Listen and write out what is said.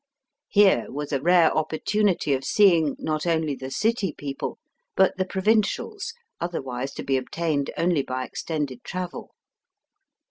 Here was a rare opportunity of seeiug, not only the city people, but the provincials, otherwise to be obtained only by extended travel.